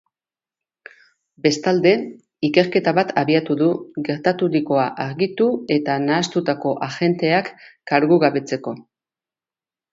Bestalde, ikerketa bat abiatu du gertaturikoa argitu eta nahastutako agenteak kargugabetzeko.